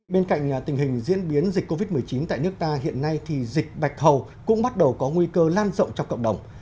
bên cạnh tình hình diễn biến dịch covid một mươi chín tại nước ta hiện nay thì dịch bạch hầu cũng bắt đầu có nguy cơ lan rộng trong cộng đồng